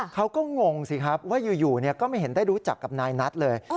งงสิครับว่าอยู่ก็ไม่เห็นได้รู้จักกับนายนัทเลย